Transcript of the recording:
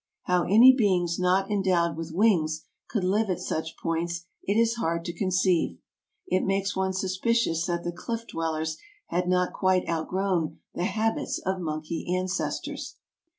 How any beings not endowed with wings could live at such points it is hard to conceive ; it makes one suspicious that the Cliff dwellers had not quite outgrown the habits of monkey ancestors.